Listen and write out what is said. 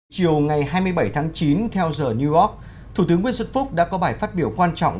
chiều ngày hai mươi bảy tháng chín theo giờ new york thủ tướng nguyễn xuân phúc đã có bài phát biểu quan trọng